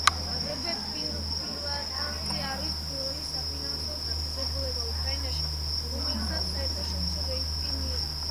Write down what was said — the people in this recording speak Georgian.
აგრეთვე პრივატბანკი არის პირველი საფინანსო დაწესებულება უკრაინაში, რომელმაც საერთაშორისო რეიტინგი მიიღო.